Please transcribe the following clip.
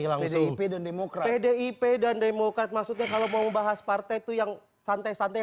langsung demokrasi di p dan demokrat maksudnya kalau mau bahas partai itu yang santai santai